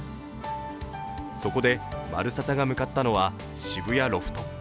そこで、「まるサタ」が向かったのは渋谷ロフト。